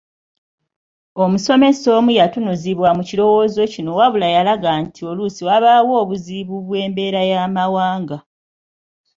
Omusomesa omu yatunuzibwa mu kirowooza kino wabula yalaga nti oluusi wabaawo obuzibu bw’embeera y’amawanga.